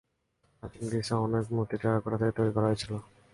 প্রাচীন গ্রীসে, অনেক মূর্তি টেরাকোটা থেকে তৈরি করা হয়েছিল।